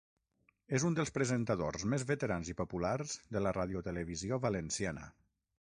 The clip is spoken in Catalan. És un dels presentadors més veterans i populars de la Radiotelevisió Valenciana.